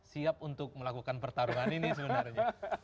saya tidak siap untuk melakukan pertarungan ini sebenarnya